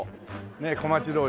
ねっ小町通り。